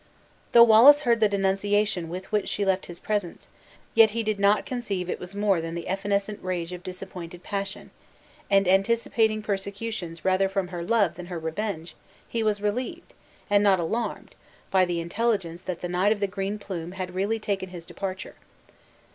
Though Wallace heard the denunciation with which she left his presence, yet he did not conceive it was more than the evanescent rage of disappointed passion; and, anticipating persecutions rather from her love than her revenge, he was relieved, and not alarmed, by the intelligence that the Knight of the Green Plume had really taken his departure.